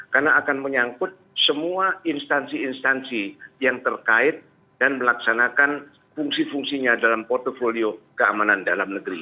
karena akan menyangkut semua instansi instansi yang terkait dan melaksanakan fungsi fungsinya dalam portfolio keamanan dalam negeri